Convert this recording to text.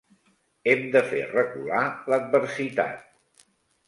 Hem de fer recular l'adversitat.